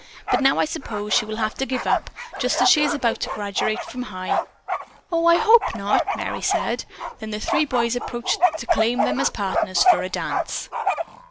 But now I suppose she will have to give up, just as she is about to graduate from High." "O, I hope not!" Merry said. Then three of the boys approached to claim them as partners for a dance.